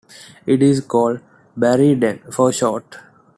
It is called "Bari-den" for short.